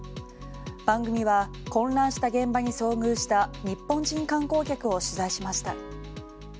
番組は混乱した現場に遭遇した日本人観光客を取材しました。